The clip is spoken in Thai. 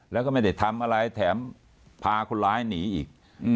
แล้วก็ไม่ได้ทำอะไรแถมพาคนร้ายหนีอีก